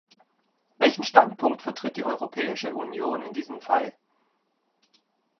Welchen Standpunkt vertritt die Europäische Union in diesem Fall?